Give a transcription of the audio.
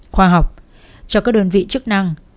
khoa học cho các đơn vị chức năng